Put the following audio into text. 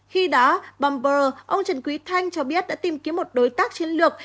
khi đó bumper ông trần quý thanh cho biết đã tìm kiếm một đối tác chiến lược